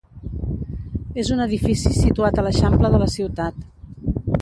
És un edifici situat a l'eixample de la ciutat.